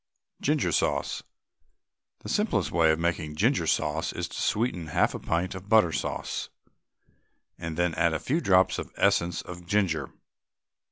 GINGER SAUCE. The simplest way of making ginger sauce is to sweeten half a pint of butter sauce and then add a few drops of essence of ginger.